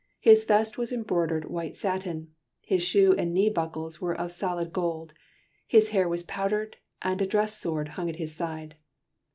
His vest was embroidered white satin, his shoe and knee buckles were of solid gold, his hair was powdered, and a dress sword hung at his side.